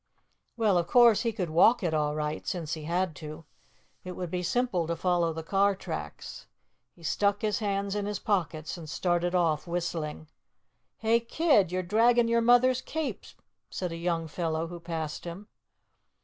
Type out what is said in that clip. Well, of course, he could walk it all right, since he had to. It would be simple to follow the car tracks. He stuck his hands in his pockets and started off whistling. "Hey, kid, you're dragging your mother's cape," said a young fellow who passed him.